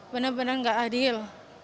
bener bener gak adil